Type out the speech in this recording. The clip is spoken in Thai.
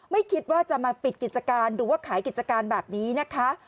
ไม่คิดว่าจะมาปิดกิจการหรือว่าขายกิจการแบบนี้นะคะ